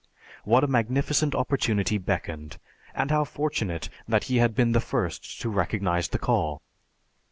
What a magnificent opportunity beckoned, and how fortunate that he had been the first to recognize the call!